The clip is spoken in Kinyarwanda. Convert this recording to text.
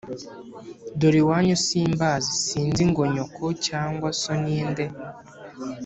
dore iwanyu simbazi, sinzi ngo nyoko cyangwa so ninde,